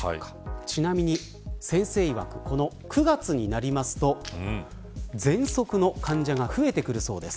ちなみに、先生いわく９月になりますとぜんそくの患者が増えてくるそうです。